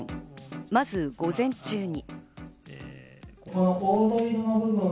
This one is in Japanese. まず午前中に。